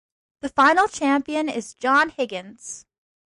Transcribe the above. The final champion is John Higgins.